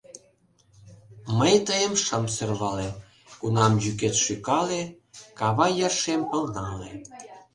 Мый тыйым шым сӧрвале, Кунам йӱкет шӱкале, Кава йыр шем пыл нале.